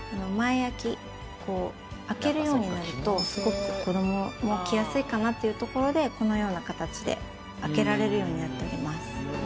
開けるようになるとすごく子どもも着やすいかなというところでこのような形で開けられるようになっております。